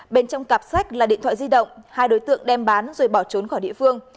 bên trong cặp sách là điện thoại di động hai đối tượng đem bán rồi bỏ trốn khỏi địa phương